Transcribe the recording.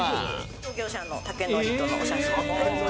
創業者の武範とのお写真になります。